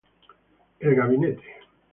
El Gabinete